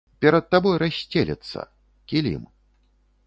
Перад табой рассцелецца, кілім.